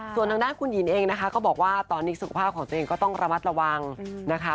ส่วนทางด้านคุณหญิงเองนะคะก็บอกว่าตอนนี้สุขภาพของตัวเองก็ต้องระมัดระวังนะคะ